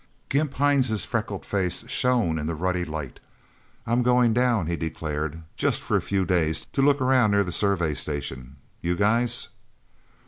Gimp Hines' freckled face shone in the ruddy light. "I'm going down," he declared. "Just for a few days, to look around near the Survey Station. You guys?"